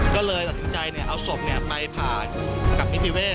ก็เลยสัดสินใจเนี่ยเอาศพไปผ้ากับ